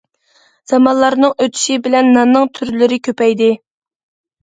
زامانلارنىڭ ئۆتۈشى بىلەن ناننىڭ تۈرلىرى كۆپەيدى.